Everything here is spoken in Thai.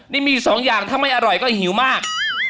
นี่มีอยู่สองอย่างถ้าไม่อร่อยก็หิวมาก